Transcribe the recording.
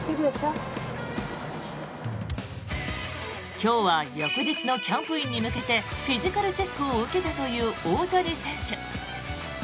今日は翌日のキャンプインに向けてフィジカルチェックを受けたという大谷選手。